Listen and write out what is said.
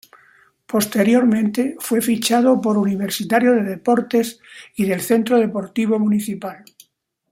Posteriormente, fue fichado por Universitario de Deportes y del Centro Deportivo Municipal.